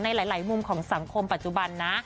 ในหลายมุมของสังคมปัจจุบันนะ